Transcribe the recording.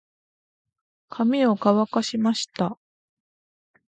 髪を乾かしました。